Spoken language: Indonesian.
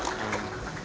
secara resmi di muka